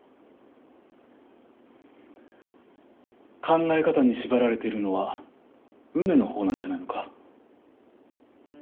考え方に縛られているのは梅のほうなんじゃないのか？